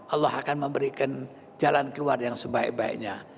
allah akan memberikan jalan keluar yang sebaik baiknya